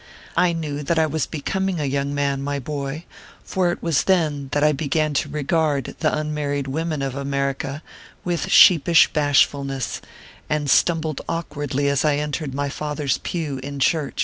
I knew that I was becoming a young man, my boy ; for it was then that I began to regard the unmarried women of America with sheepish bashfulness, and stumbled awkwardly as I entered my father s pew in church.